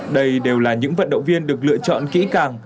đây đều là những vận động viên được lựa chọn kỹ càng